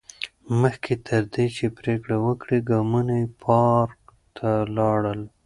مخکې تر دې چې پرېکړه وکړي، ګامونه یې پارک ته لاړل.